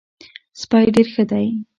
سپی ډېر ښه دی.